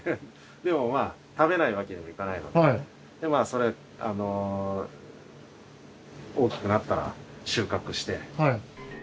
でもまあ食べないわけにはいかないので大きくなったら収穫して。